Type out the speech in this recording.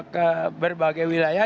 ke berbagai wilayah